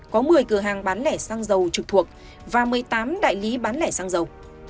hai cửa hàng bán lẻ xăng dầu trực thuộc và một mươi tám đại lý bán lẻ xăng dầu